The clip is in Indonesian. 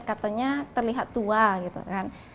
katanya terlihat tua gitu kan